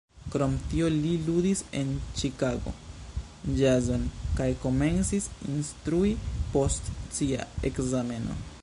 Krom tio li ludis en Ĉikago ĵazon kaj komencis instrui post sia ekzameno.